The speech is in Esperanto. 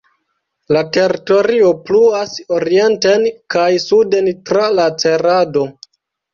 La teritorio pluas orienten kaj suden tra la Cerado.